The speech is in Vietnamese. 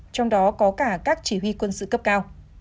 trong đó có cả các chỉ huy quân sự cấp cao